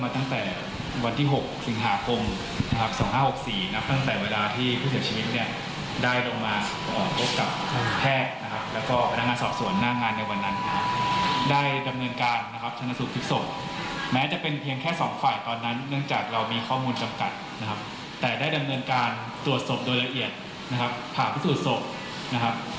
แต่ได้ดำเนินการตรวจสอบโดยละเอียดผ่านพิสูจน์ศพ